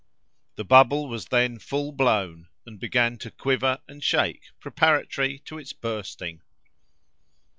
The bubble was then full blown, and began to quiver and shake preparatory to its bursting.